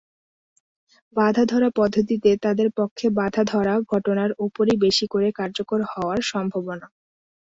বাঁধা-ধরা পদ্ধতিতে তাদের পক্ষে বাঁধা-ধরা ঘটনার ওপরেই বেশি করে কার্যকর হওয়ার সম্ভাবনা।